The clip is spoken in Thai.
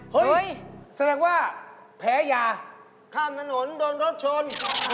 แสดงว่าแพ้ยาข้ามถนนโดนรถชน